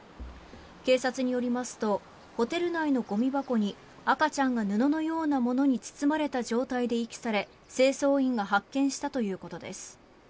警察によりますとホテル内のごみ箱に赤ちゃんが布のようなものに包まれた状態で遺棄され清掃員が発見したということです。